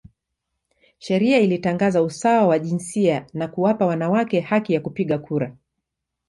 Sheria ilitangaza usawa wa jinsia na kuwapa wanawake haki ya kupiga kura.